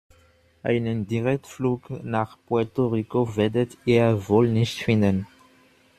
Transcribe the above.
Einen Direktflug nach Puerto Rico werdet ihr wohl nicht finden.